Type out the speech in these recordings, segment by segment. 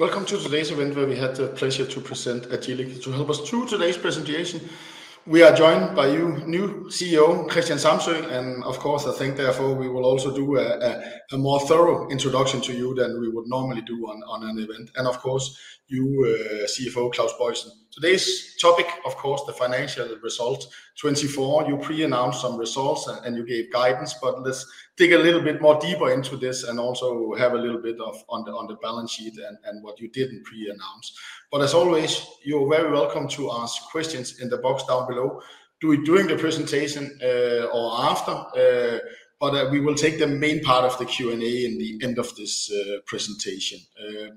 Welcome to today's event, where we had the pleasure to present Agillic. To help us through today's presentation, we are joined by you, new CEO Christian Samsø, and of course, I think therefore we will also do a more thorough introduction to you than we would normally do on an event. And of course, you, CFO Claus Boysen. Today's topic, of course, the financial results 2024, you pre-announced some results and you gave guidance, but let's dig a little bit more deeper into this and also have a little bit on the balance sheet and what you didn't pre-announce. As always, you're very welcome to ask questions in the box down below, during the presentation or after, but we will take the main part of the Q&A in the end of this presentation.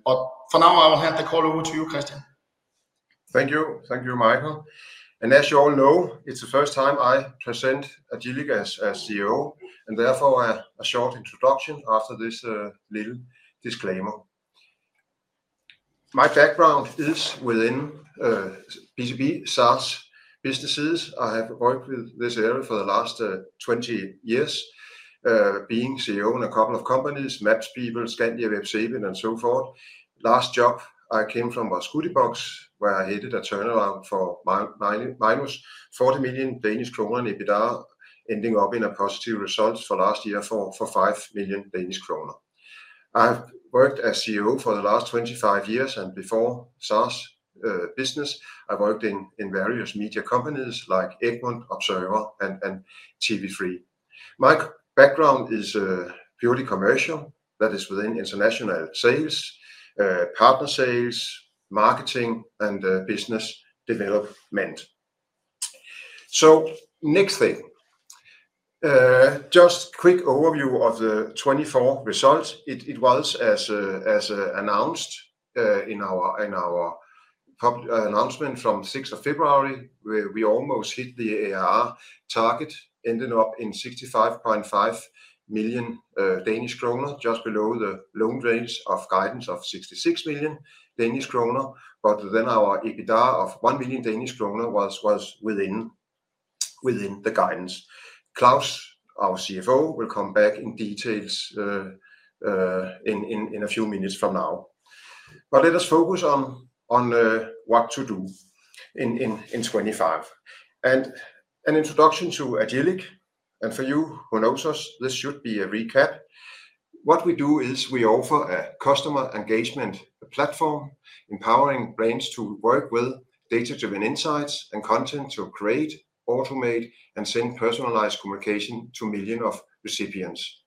For now, I will hand the call over to you, Christian. Thank you. Thank you, Michael. As you all know, it's the first time I present Agillic as CEO, and therefore a short introduction after this little disclaimer. My background is within B2B, SaaS businesses. I have worked with this area for the last 20 years, being CEO in a couple of companies, MapsPeople, ScanAd, and so forth. Last job I came from was Goodiebox, where I headed a turnaround for -40 million Danish kroner in EBITDA, ending up in a positive result for last year for 5 million Danish kroner. I have worked as CEO for the last 25 years, and before SaaS business, I worked in various media companies like Egmont, Observer, and TV3. My background is purely commercial, that is, within international sales, partner sales, marketing, and business development. Next thing, just quick overview of the 2024 results. It was, as announced in our announcement from 6th of February, we almost hit the ARR target, ended up in 65.5 million Danish kroner, just below the low range of guidance of 66 million Danish kroner, but then our EBITDA of 1 million Danish kroner was within the guidance. Claus, our CFO, will come back in details in a few minutes from now. Let us focus on what to do in 2025. An introduction to Agillic, and for you who know us, this should be a recap. What we do is we offer a customer engagement platform, empowering brands to work with data-driven insights and content to create, automate, and send personalized communication to millions of recipients.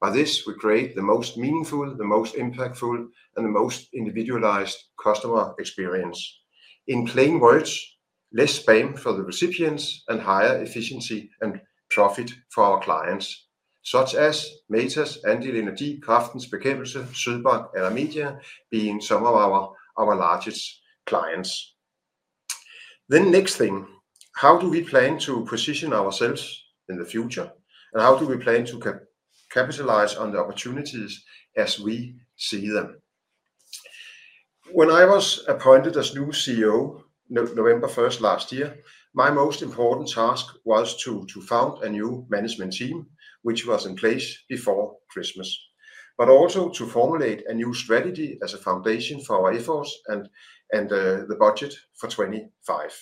By this, we create the most meaningful, the most impactful, and the most individualized customer experience. In plain words, less spam for the recipients and higher efficiency and profit for our clients, such as Meta, Andel Energi, Kræftens Bekæmpelse, Sydbank, Aller Media, being some of our largest clients. The next thing, how do we plan to position ourselves in the future, and how do we plan to capitalize on the opportunities as we see them? When I was appointed as New CEO, November 1st last year, my most important task was to found a new management team, which was in place before Christmas, but also to formulate a new strategy as a foundation for our efforts and the budget for 2025.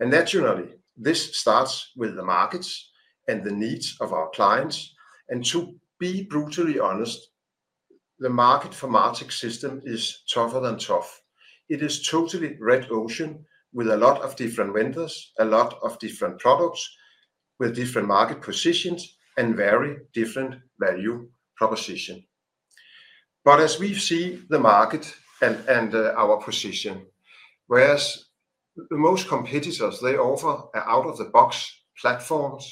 Naturally, this starts with the markets and the needs of our clients. To be brutally honest, the market for martech system is tougher than tough. It is totally a red ocean with a lot of different vendors, a lot of different products with different market positions and very different value proposition. As we see the market and our position, whereas most competitors, they offer out-of-the-box platforms,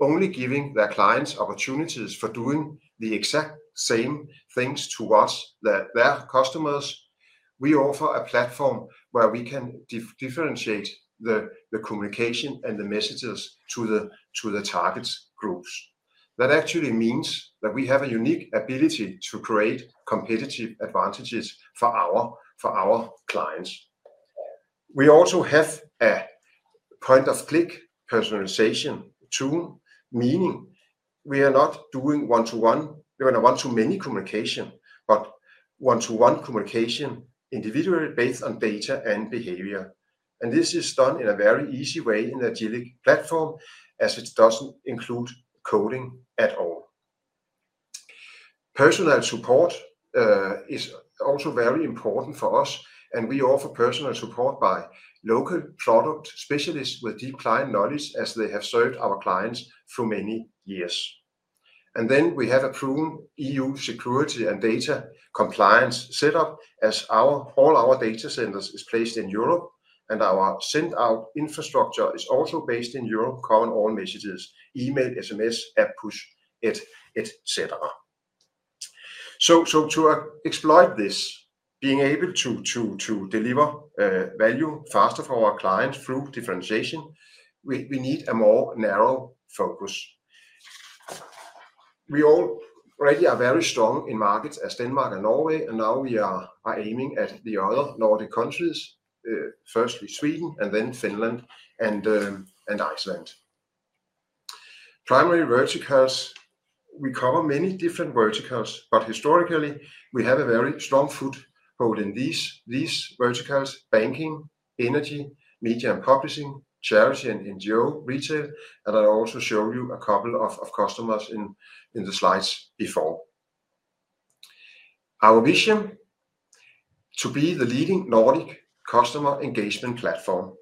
only giving their clients opportunities for doing the exact same things towards their customers, we offer a platform where we can differentiate the communication and the messages to the target groups. That actually means that we have a unique ability to create competitive advantages for our clients. We also have a point-and-click personalization tool, meaning we are not doing one-to-one, we're going to one-to-many communication, but one-to-one communication individually based on data and behavior. This is done in a very easy way in the Agillic platform, as it does not include coding at all. Personal support is also very important for us, and we offer personal support by local product specialists with deep client knowledge, as they have served our clients for many years. We have a proven E.U. security and data compliance setup, as all our data centers are placed in Europe, and our send-out infrastructure is also based in Europe, covering all messages, email, SMS, app push, etc. To exploit this, being able to deliver value faster for our clients through differentiation, we need a more narrow focus. We already are very strong in markets as Denmark and Norway, and now we are aiming at the other Nordic countries, firstly Sweden and then Finland and Iceland. Primary verticals, we cover many different verticals, but historically, we have a very strong foothold in these verticals: banking, energy, media and publishing, charity and NGO, retail, and I also showed you a couple of customers in the slides before. Our vision is to be the leading Nordic customer engagement platform.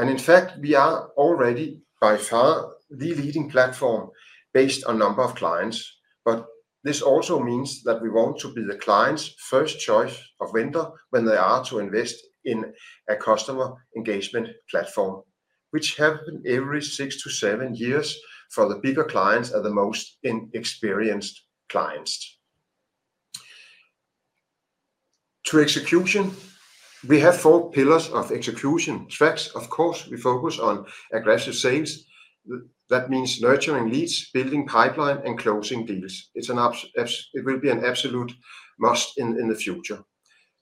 In fact, we are already by far the leading platform based on number of clients, but this also means that we want to be the client's first choice of vendor when they are to invest in a customer engagement platform, which happens every six to seven years for the bigger clients and the most inexperienced clients. To execution, we have four pillars of execution. First, of course, we focus on aggressive sales. That means nurturing leads, building pipelines, and closing deals. It will be an absolute must in the future.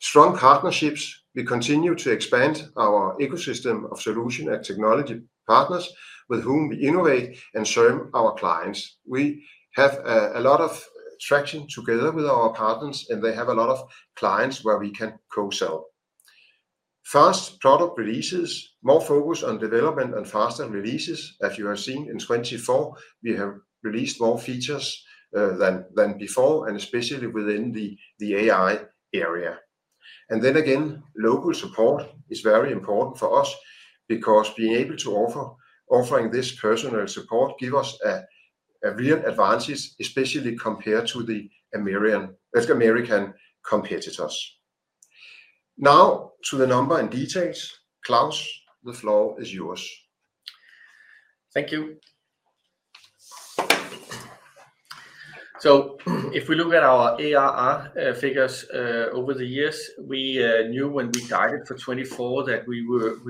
Strong partnerships, we continue to expand our ecosystem of solution and technology partners with whom we innovate and serve our clients. We have a lot of traction together with our partners, and they have a lot of clients where we can co-sell. First, product releases, more focus on development and faster releases. As you have seen in 2024, we have released more features than before, especially within the AI area. Local support is very important for us because being able to offer this personal support gives us real advantages, especially compared to the American competitors. Now to the number and details. Claus, the floor is yours. Thank you. If we look at our ARR figures over the years, we knew when we guided for 2024 that we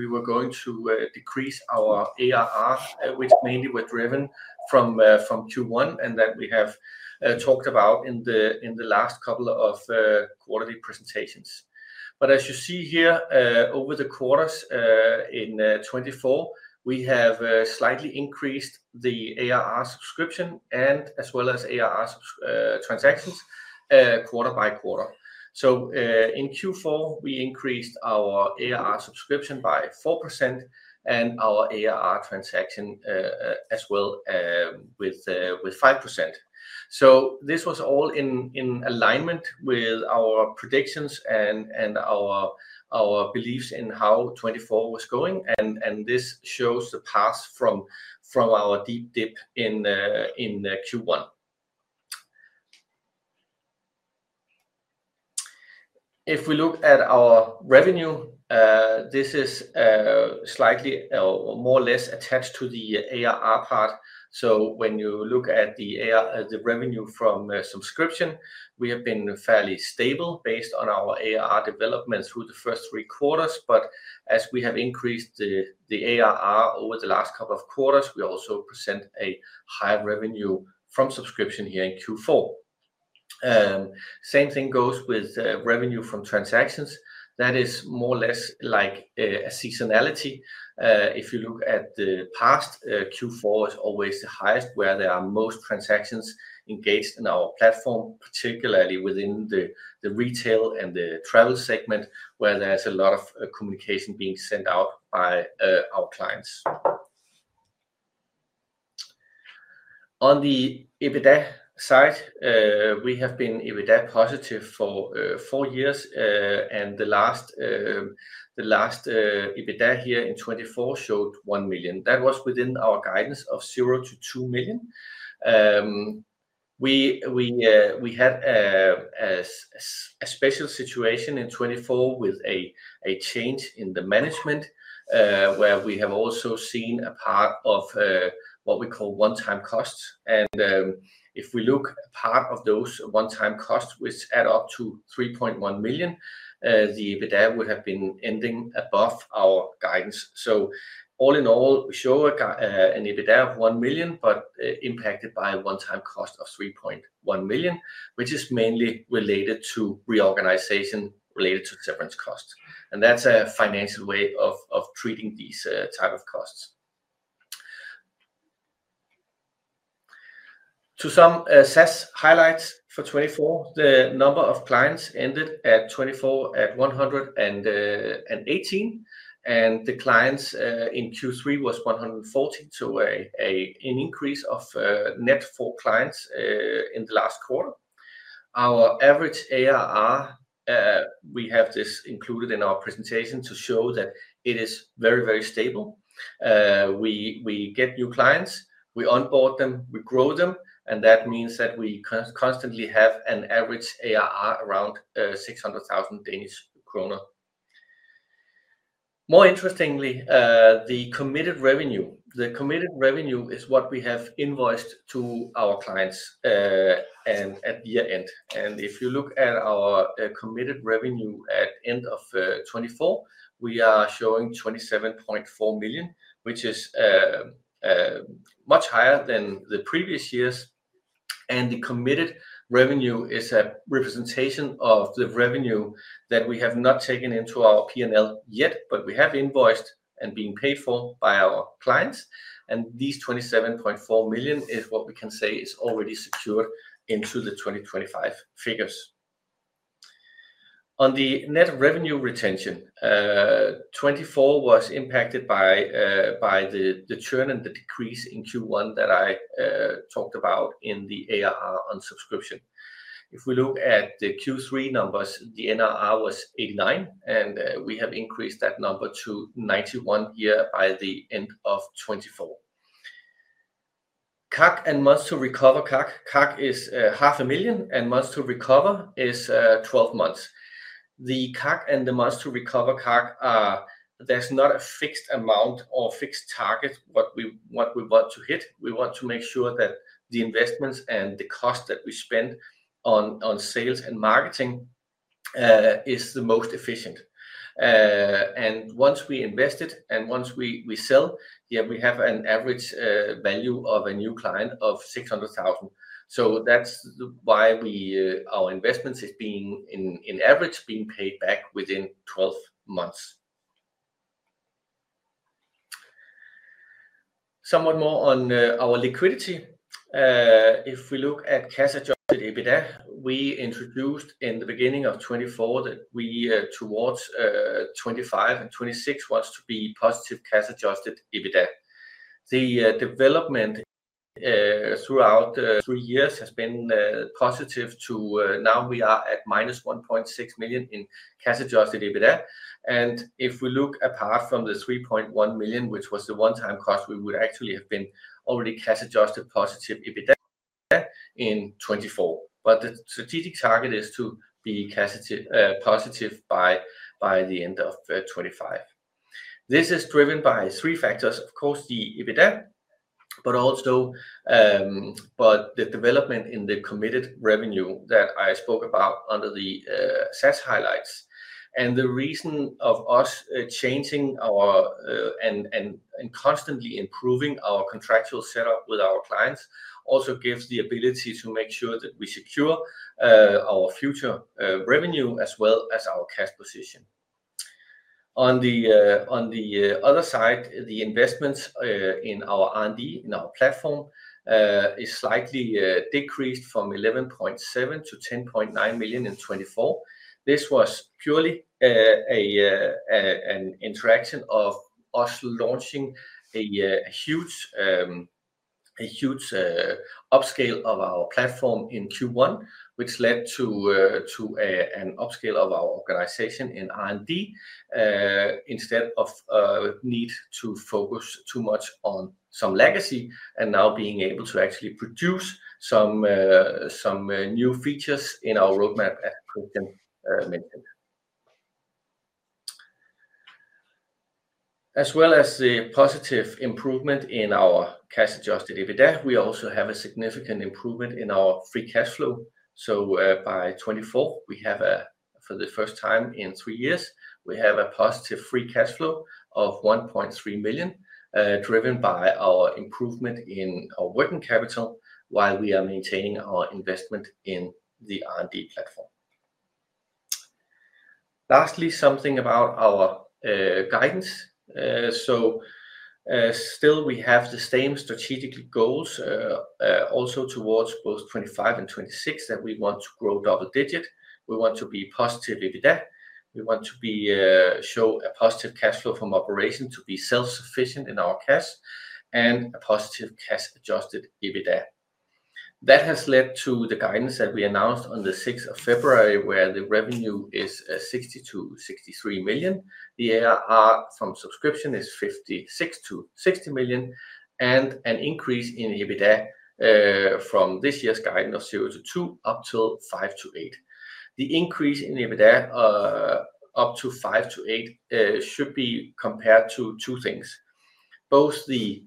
were going to decrease our ARR, which mainly was driven from Q1 and that we have talked about in the last couple of quarterly presentations. As you see here, over the quarters in 2024, we have slightly increased the ARR subscription and as well as ARR transactions quarter-by-quarter. In Q4, we increased our ARR subscription by 4% and our ARR transaction as well with 5%. This was all in alignment with our predictions and our beliefs in how 2024 was going, and this shows the path from our deep dip in Q1. If we look at our revenue, this is slightly more or less attached to the ARR part. When you look at the revenue from subscription, we have been fairly stable based on our ARR development through the first three quarters, but as we have increased the ARR over the last couple of quarters, we also present a higher revenue from subscription here in Q4. Same thing goes with revenue from transactions. That is more or less like a seasonality. If you look at the past, Q4 is always the highest where there are most transactions engaged in our platform, particularly within the retail and the travel segment, where there is a lot of communication being sent out by our clients. On the EBITDA side, we have been EBITDA positive for four years, and the last EBITDA here in 2024 showed 1 million. That was within our guidance of 0-2 million. We had a special situation in 2024 with a change in the management, where we have also seen a part of what we call one-time costs. If we look, part of those one-time costs, which add up to 3.1 million, the EBITDA would have been ending above our guidance. All in all, we show an EBITDA of 1 million, but impacted by a one-time cost of 3.1 million, which is mainly related to reorganization related to severance costs. That is a financial way of treating these types of costs. To some SaaS highlights for 2024, the number of clients ended at 118, and the clients in Q3 was 114, so an increase of net four clients in the last quarter. Our average ARR, we have this included in our presentation to show that it is very, very stable. We get new clients, we onboard them, we grow them, and that means that we constantly have an average ARR around 600,000 Danish kroner. More interestingly, the committed revenue, the committed revenue is what we have invoiced to our clients at year end. If you look at our committed revenue at the end of 2024, we are showing 27.4 million, which is much higher than the previous years. The committed revenue is a representation of the revenue that we have not taken into our P&L yet, but we have invoiced and been paid for by our clients. These 27.4 million is what we can say is already secured into the 2025 figures. On the net revenue retention, 2024 was impacted by the churn and the decrease in Q1 that I talked about in the ARR on subscription. If we look at the Q3 numbers, the NRR was 89%, and we have increased that number to 91% year by the end of 2024. CAC and months to recover CAC. CAC is 500,000, and months to recover is 12 months. The CAC and the months to recover CAC, there's not a fixed amount or fixed target what we want to hit. We want to make sure that the investments and the cost that we spend on sales and marketing is the most efficient. Once we invested and once we sell, yeah, we have an average value of a new client of 600,000. That's why our investments is being in average being paid back within 12 months. Somewhat more on our liquidity. If we look at cash-adjusted EBITDA, we introduced in the beginning of 2024 that we towards 2025 and 2026 want to be positive cash-adjusted EBITDA. The development throughout three years has been positive to now we are at -1.6 million in cash-adjusted EBITDA. If we look apart from the 3.1 million, which was the one-time cost, we would actually have been already cash-adjusted positive EBITDA in 2024. The strategic target is to be positive by the end of 2025. This is driven by three factors, of course, the EBITDA, the development in the committed revenue that I spoke about under the SaaS highlights. The reason of us changing our and constantly improving our contractual setup with our clients also gives the ability to make sure that we secure our future revenue as well as our cash position. On the other side, the investments in our R&D, in our platform, is slightly decreased from 11.7 million to 10.9 million in 2024. This was purely an interaction of us launching a huge upscale of our platform in Q1, which led to an upscale of our organization in R&D instead of need to focus too much on some legacy and now being able to actually produce some new features in our roadmap, as Christian mentioned. As well as the positive improvement in our cash-adjusted EBITDA, we also have a significant improvement in our free cash flow. By 2024, for the first time in three years, we have a positive free cash flow of 1.3 million, driven by our improvement in our working capital while we are maintaining our investment in the R&D platform. Lastly, something about our guidance. We have the same strategic goals also towards both 2025 and 2026 that we want to grow double digit. We want to be positive EBITDA. We want to show a positive cash flow from operation to be self-sufficient in our cash and a positive cash-adjusted EBITDA. That has led to the guidance that we announced on the 6th of February, where the revenue is 60-63 million. The ARR from subscription is 56 million-60 million, and an increase in EBITDA from this year's guidance of 0-2 million up till 5 million-8 million. The increase in EBITDA up to 5 million-8 million should be compared to two things. Both the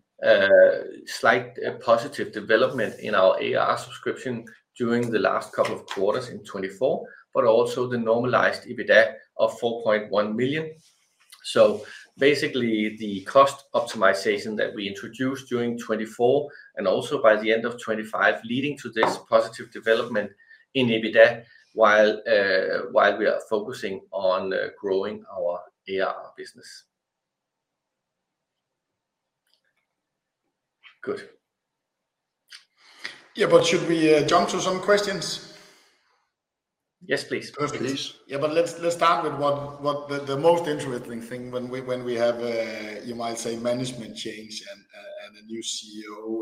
slight positive development in our ARR subscription during the last couple of quarters in 2024, but also the normalized EBITDA of 4.1 million. Basically, the cost optimization that we introduced during 2024 and also by the end of 2025 is leading to this positive development in EBITDA while we are focusing on growing our ARR business. Good. Yeah, should we jump to some questions? Yes, please. Perfect. Yeah, but let's start with the most interesting thing when we have, you might say, management change and a new CEO.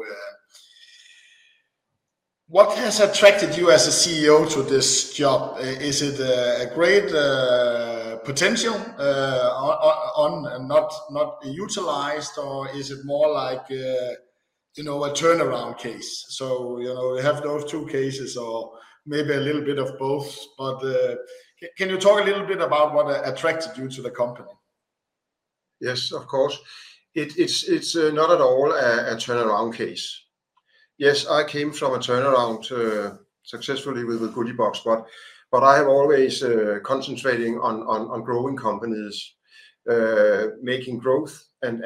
What has attracted you as a CEO to this job? Is it a great potential and not utilized, or is it more like a turnaround case? We have those two cases or maybe a little bit of both, but can you talk a little bit about what attracted you to the company? Yes, of course. It's not at all a turnaround case. Yes, I came from a turnaround successfully with Goodiebox, but I have always concentrated on growing companies, making growth and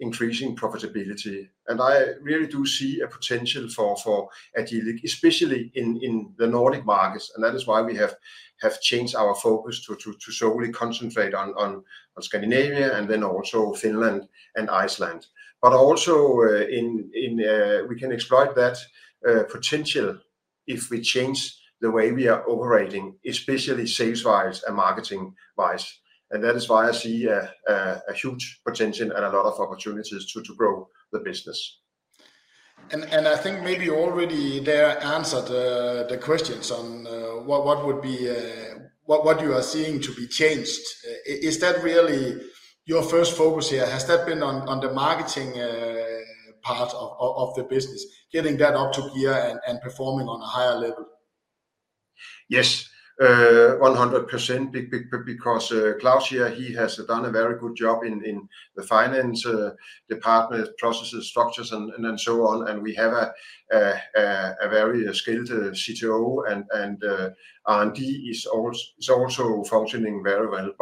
increasing profitability. I really do see a potential for Agillic, especially in the Nordic markets. That is why we have changed our focus to solely concentrate on Scandinavia and then also Finland and Iceland. We can exploit that potential if we change the way we are operating, especially sales-wise and marketing-wise. That is why I see a huge potential and a lot of opportunities to grow the business. I think maybe already they answered the questions on what you are seeing to be changed. Is that really your first focus here? Has that been on the marketing part of the business, getting that up to gear and performing on a higher level? Yes, 100% because Claus here, he has done a very good job in the finance department, processes, structures, and so on. We have a very skilled CTO, and R&D is also functioning very well.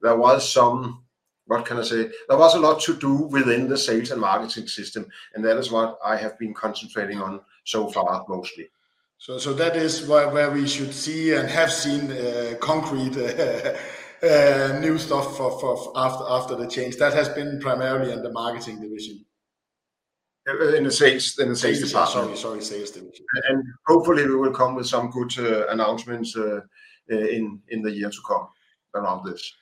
There was some, what can I say? There was a lot to do within the sales and marketing system, and that is what I have been concentrating on so far mostly. That is where we should see and have seen concrete new stuff after the change. That has been primarily in the marketing division. In the sales department. Sorry, sorry, sales division. Hopefully, we will come with some good announcements in the year to come around this.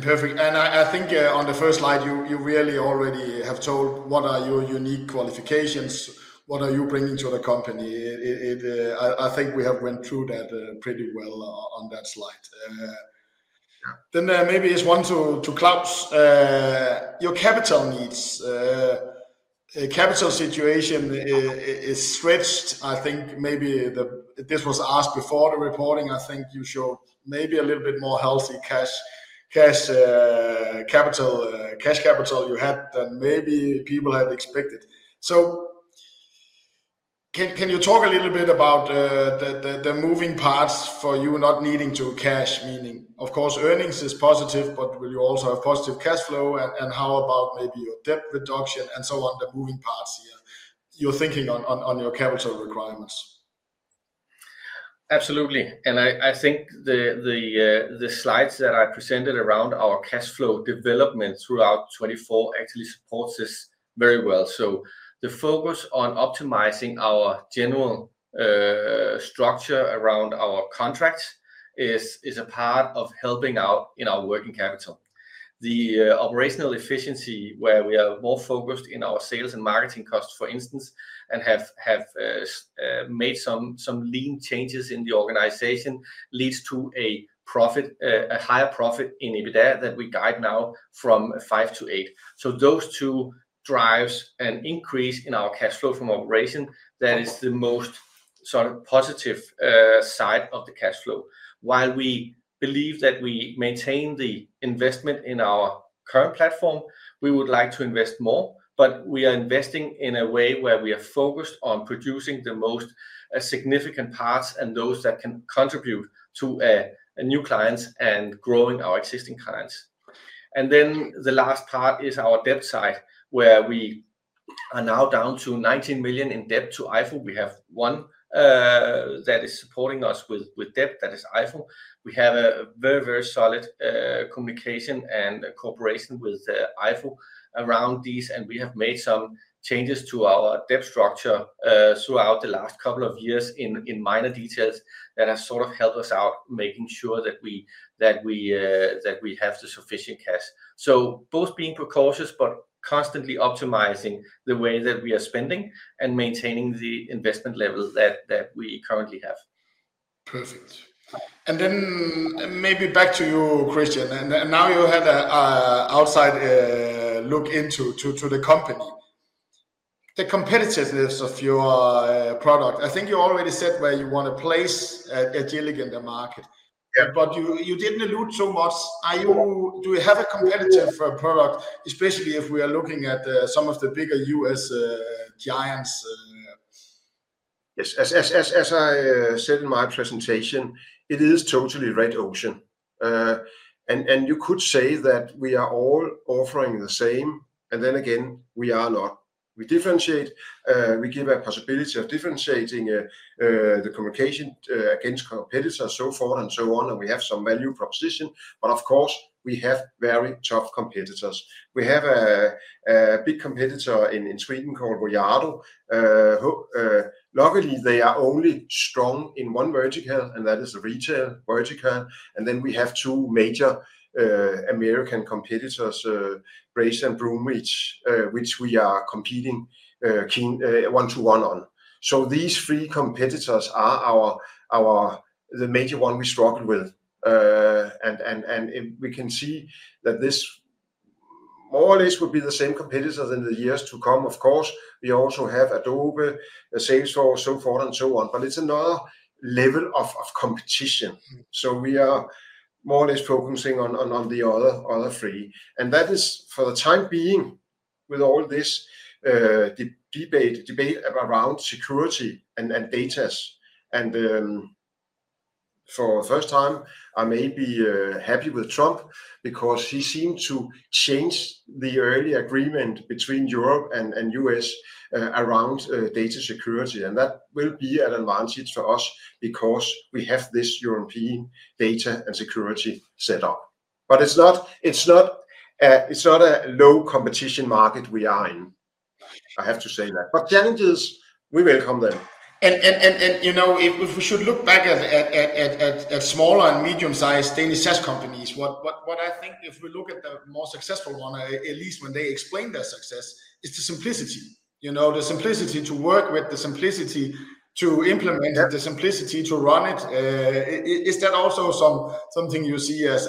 Perfect. I think on the first slide, you really already have told what are your unique qualifications, what are you bringing to the company. I think we have went through that pretty well on that slide. Maybe just one to Claus, your capital needs. Capital situation is stretched. I think maybe this was asked before the reporting. I think you showed maybe a little bit more healthy cash capital, cash capital you had than maybe people had expected. Can you talk a little bit about the moving parts for you not needing to cash, meaning of course earnings is positive, but will you also have positive cash flow? How about maybe your debt reduction and so on, the moving parts here you're thinking on your capital requirements? Absolutely. I think the slides that I presented around our cash flow development throughout 2024 actually support this very well. The focus on optimizing our general structure around our contracts is a part of helping out in our working capital. The operational efficiency where we are more focused in our sales and marketing costs, for instance, and have made some lean changes in the organization leads to a higher profit in EBITDA that we guide now from 5 million-8 million. Those two drive an increase in our cash flow from operation. That is the most sort of positive side of the cash flow. While we believe that we maintain the investment in our current platform, we would like to invest more, but we are investing in a way where we are focused on producing the most significant parts and those that can contribute to new clients and growing our existing clients. The last part is our debt side, where we are now down to 19 million in debt to EIFO. We have one that is supporting us with debt, that is EIFO. We have a very, very solid communication and cooperation with EIFO around these, and we have made some changes to our debt structure throughout the last couple of years in minor details that have sort of helped us out, making sure that we have the sufficient cash. Both being precautious, but constantly optimizing the way that we are spending and maintaining the investment level that we currently have. Perfect. Maybe back to you, Christian. Now you have an outside look into the company. The competitiveness of your product, I think you already said where you want to place Agillic in the market, but you did not allude so much. Do you have a competitive product, especially if we are looking at some of the bigger US giants? Yes. As I said in my presentation, it is totally Red Ocean. You could say that we are all offering the same, and then again, we are not. We differentiate. We give a possibility of differentiating the communication against competitors, so forth and so on, and we have some value proposition. Of course, we have very tough competitors. We have a big competitor in Sweden called Voyado. Luckily, they are only strong in one vertical, and that is the retail vertical. We have two major American competitors, Braze and Bloomreach, which we are competing one-to-one on. These three competitors are the major one we struggle with. We can see that this more or less would be the same competitors in the years to come. Of course, we also have Adobe, Salesforce, so forth and so on, but it's another level of competition. We are more or less focusing on the other three. That is for the time being with all this debate around security and datas. For the first time, I may be happy with Trump because he seemed to change the early agreement between Europe and US around data security. That will be an advantage for us because we have this European data and security setup. It is not a low competition market we are in. I have to say that. Challenges, we welcome them. If we should look back at smaller and medium-sized Danish SaaS companies, what I think if we look at the more successful one, at least when they explain their success, is the simplicity. The simplicity to work with, the simplicity to implement, the simplicity to run it. Is that also something you see as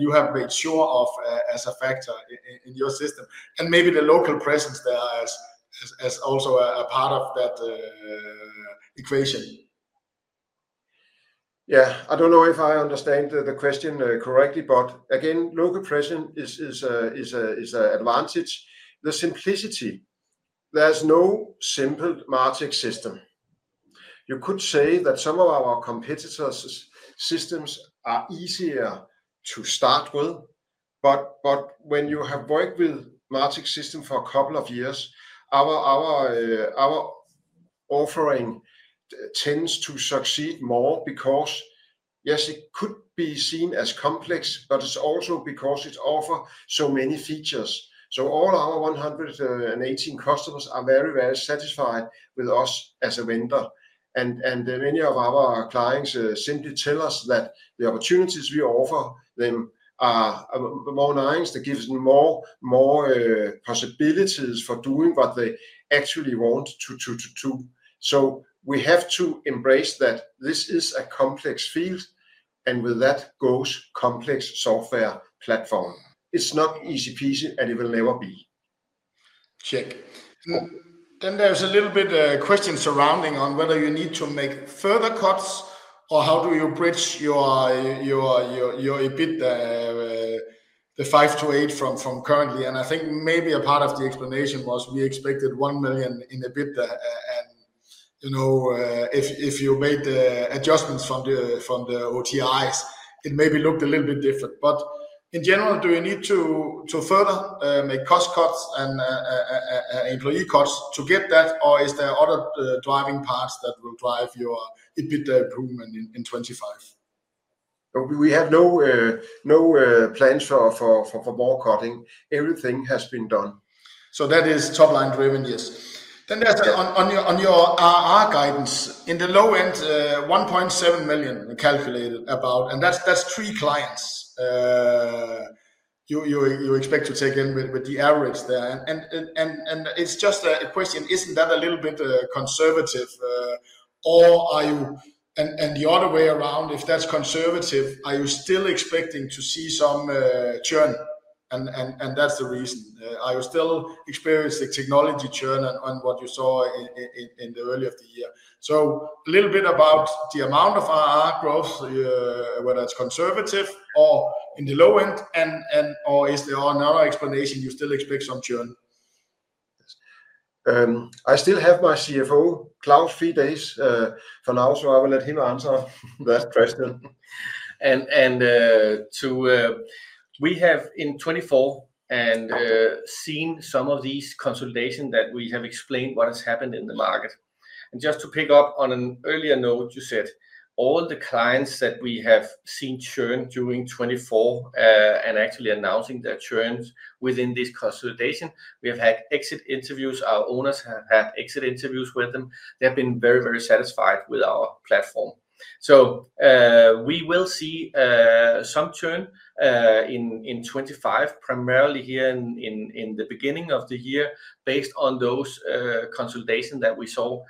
you have made sure of as a factor in your system? Maybe the local presence there as also a part of that equation. Yeah. I don't know if I understand the question correctly, but again, local presence is an advantage. The simplicity. There's no simple matrix system. You could say that some of our competitors' systems are easier to start with, but when you have worked with matrix system for a couple of years, our offering tends to succeed more because, yes, it could be seen as complex, but it's also because it offers so many features. All our 118 customers are very, very satisfied with us as a vendor. Many of our clients simply tell us that the opportunities we offer them are more nice, that gives them more possibilities for doing what they actually want to do. We have to embrace that this is a complex field, and with that goes complex software platform. It's not easy peasy, and it will never be. Check. There is a little bit of question surrounding on whether you need to make further cuts or how do you bridge your EBITDA, the 5-8 from currently. I think maybe a part of the explanation was we expected 1 million in EBITDA. If you made adjustments from the OTIs, it maybe looked a little bit different. In general, do you need to further make cost cuts and employee cuts to get that, or is there other driving parts that will drive your EBITDA improvement in 2025? We have no plans for more cutting. Everything has been done. That is top-line driven, yes. On your ARR guidance, in the low end, 1.7 million calculated about, and that's three clients you expect to take in with the average there. It's just a question, isn't that a little bit conservative, or are you? The other way around, if that's conservative, are you still expecting to see some churn? That's the reason. Are you still experiencing technology churn on what you saw in the earlier part of the year? A little bit about the amount of ARR growth, whether it's conservative or in the low end, or is there a narrow explanation you still expect some churn? I still have my CFO, Claus, three days for now, so I will let him answer that question. We have in 2024 seen some of these consolidations that we have explained what has happened in the market. Just to pick up on an earlier note, you said all the clients that we have seen churn during 2024 and actually announcing their churns within this consolidation, we have had exit interviews. Our owners have had exit interviews with them. They have been very, very satisfied with our platform. We will see some churn in 2025, primarily here in the beginning of the year based on those consolidations that we saw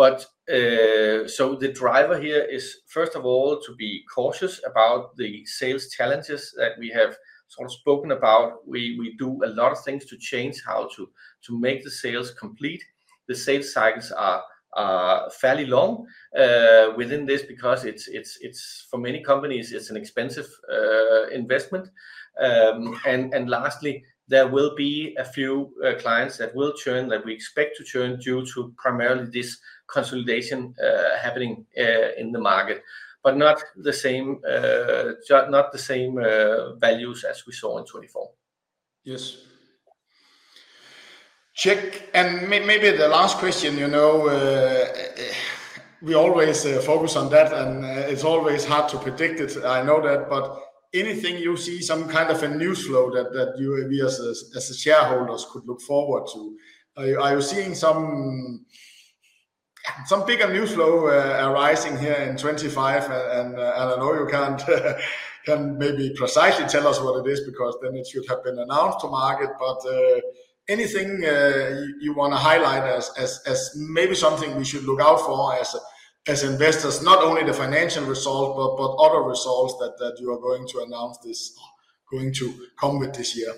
a year ago and more than that. The driver here is, first of all, to be cautious about the sales challenges that we have sort of spoken about. We do a lot of things to change how to make the sales complete. The sales cycles are fairly long within this because for many companies, it's an expensive investment. Lastly, there will be a few clients that will churn that we expect to churn due to primarily this consolidation happening in the market, but not the same values as we saw in 2024. Yes. Check. Maybe the last question, we always focus on that, and it's always hard to predict it. I know that. Anything you see, some kind of a news flow that you as shareholders could look forward to? Are you seeing some bigger news flow arising here in 2025? I know you can't maybe precisely tell us what it is because then it should have been announced to market. Anything you want to highlight as maybe something we should look out for as investors, not only the financial result, but other results that you are going to announce that are going to come with this year?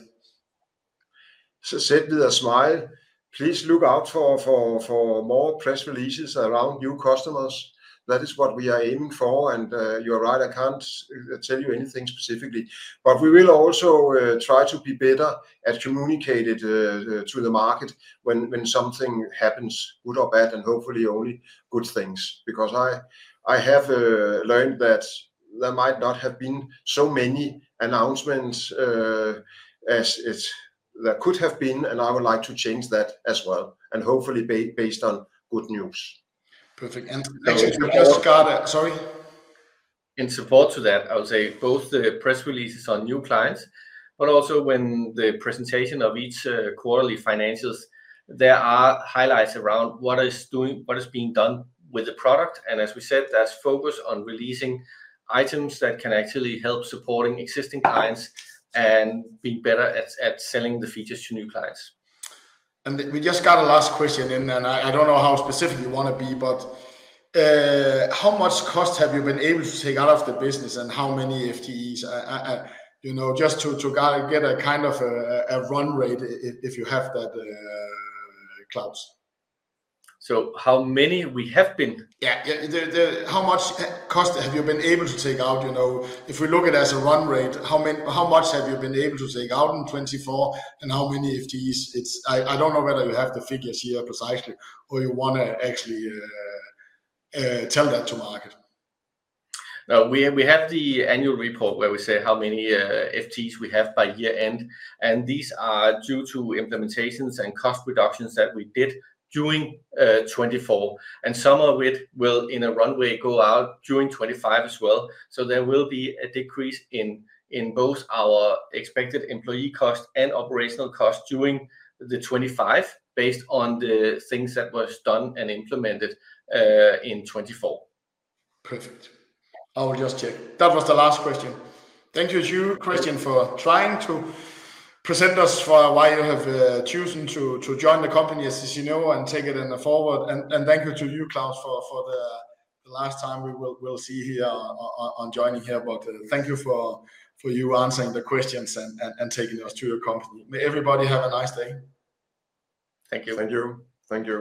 Said with a smile, please look out for more press releases around new customers. That is what we are aiming for. You're right, I can't tell you anything specifically. We will also try to be better at communicating to the market when something happens, good or bad, and hopefully only good things. I have learned that there might not have been so many announcements as there could have been, and I would like to change that as well. Hopefully based on good news. Perfect. You just got a sorry. In support to that, I would say both the press releases on new clients, but also when the presentation of each quarterly financials, there are highlights around what is being done with the product. As we said, there's focus on releasing items that can actually help supporting existing clients and be better at selling the features to new clients. We just got a last question, and I don't know how specific you want to be, but how much cost have you been able to take out of the business and how many FTEs? Just to get a kind of a run rate if you have that, Claus. How many we have been? Yeah. How much cost have you been able to take out? If we look at it as a run rate, how much have you been able to take out in 2024 and how many FTEs? I don't know whether you have the figures here precisely or you want to actually tell that to market. We have the annual report where we say how many FTEs we have by year end. These are due to implementations and cost reductions that we did during 2024. Some of it will in a runway go out during 2025 as well. There will be a decrease in both our expected employee cost and operational cost during 2025 based on the things that were done and implemented in 2024. Perfect. I will just check. That was the last question. Thank you to you, Christian, for trying to present us for why you have chosen to join the company as you know and take it forward. Thank you to you, Claus, for the last time we will see here on joining here. Thank you for you answering the questions and taking us to your company. May everybody have a nice day. Thank you. Thank you. Thank you.